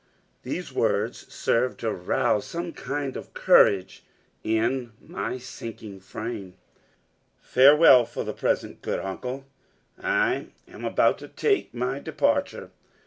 These words served to rouse some kind of courage in my sinking frame. "Farewell for the present, good uncle, I am about to take my departure.